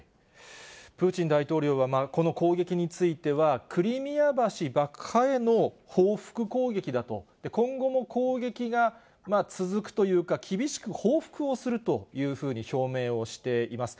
プーチン大統領は、この攻撃については、クリミア橋爆破への報復攻撃だと、今後も攻撃が続くというか、厳しく報復をするというふうに表明をしています。